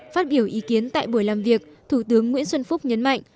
phát biểu ý kiến tại buổi làm việc thủ tướng nguyễn xuân phúc nhấn mạnh